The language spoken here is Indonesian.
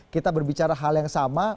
kita berbicara hal yang sama